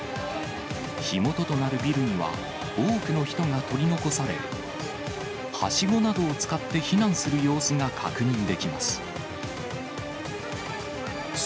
火元となるビルには、多くの人が取り残され、はしごなどを使って避難する様子が確認できます。